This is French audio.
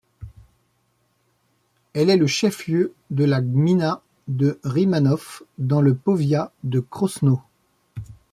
Elle est le chef-lieu de la gmina de Rymanów, dans le powiat de Krosno.